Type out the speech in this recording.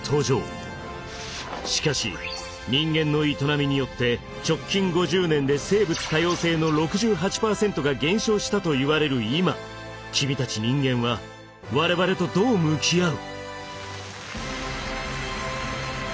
しかし人間の営みによって直近５０年で生物多様性の６８％が減少したといわれる今君たち人間は我々とどう向き合う？